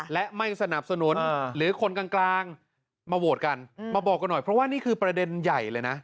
และไม่สนับสนุนหรือคนกลางมาโหวตกันมาบอกกันหน่อยเพราะว่านี่คือประเด็นใหญ่เลยนะ